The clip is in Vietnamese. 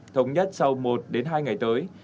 thống nhất sau một đến hai ngày tới